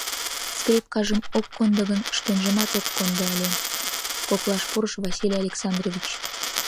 — Скрипкажым ок кондо гын, шкенжымат ом кондо ыле, — коклаш пурыш Василий Александрович.